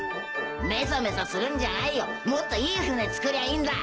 メソメソするんじゃないよもっといい船造りゃいいんだ！